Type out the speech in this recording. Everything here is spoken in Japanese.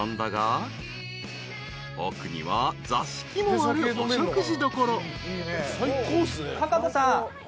［奥には座敷もあるお食事どころ］